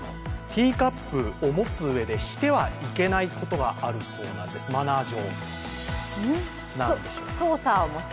ティーカップを持つうえで、してはいけないことがあるそうなんですマナー上、何でしょう？